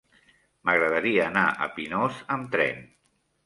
M'agradaria anar a Pinós amb tren.